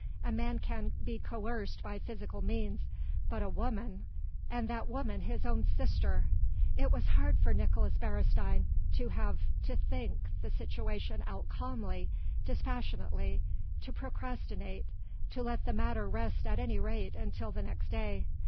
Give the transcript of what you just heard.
A man can be coerced by physical means, but a woman ... and that woman his own sister! It was hard for Nicolaes Beresteyn, to have to think the situation out calmly, dispassionately, to procrastinate, to let the matter rest at any rate until the next day.